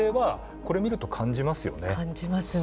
感じますね。